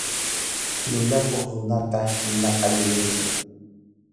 Llullakuq runata nina qallu ninkum.